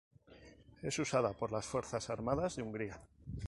Es usada por las Fuerzas Armadas de Hungría.